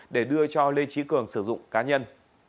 để đưa cho lê trí cường sử dụng cá nhân